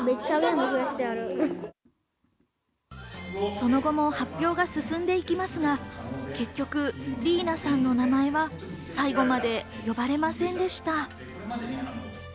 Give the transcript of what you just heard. その後も発表が進んでいきますが、結局、莉衣奈さんの名前は最後まで呼ばれませんでした。